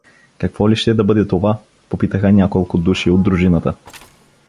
— Какво ли ще да бъде това? — попитаха няколко души от дружината.